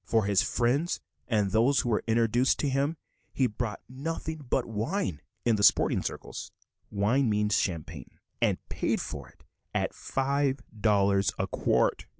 For his friends and those who were introduced to him he bought nothing but wine in sporting circles, "wine" means champagne and paid for it at five dollars a quart.